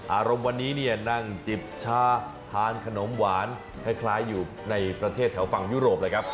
อารมณ์วันนี้เนี่ยนั่งจิบชาทานขนมหวานคล้ายอยู่ในประเทศแถวฝั่งยุโรปเลยครับ